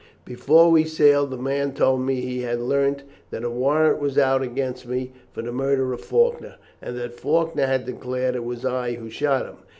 Before we sailed the man told me he had learnt that a warrant was out against me for the murder of Faulkner, and that Faulkner had declared it was I who shot him.